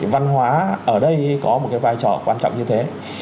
văn hóa ở đây có một vai trò quan trọng như thế